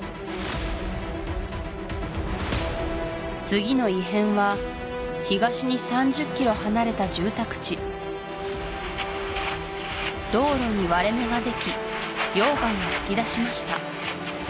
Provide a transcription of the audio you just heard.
次の異変は東に３０ｋｍ離れた住宅地道路に割れ目ができ溶岩が噴き出しました